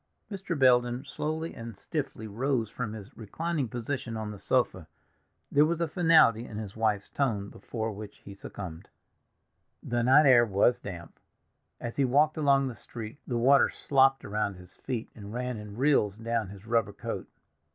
Mr. Belden slowly and stiffly rose from his reclining position on the sofa. There was a finality in his wife's tone before which he succumbed. The night air was damp. As he walked along the street the water slopped around his feet, and ran in rills down his rubber coat.